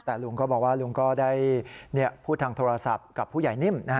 แต่ลุงก็บอกว่าลุงก็ได้พูดทางโทรศัพท์กับผู้ใหญ่นิ่ม